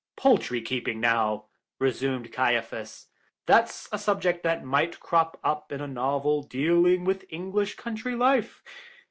"Poultry keeping, now," resumed Caiaphas, "that's a subject that might crop up in a novel dealing with English country life.